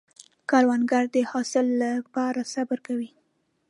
کروندګر د حاصل له پاره صبر کوي